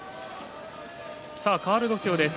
かわる土俵です。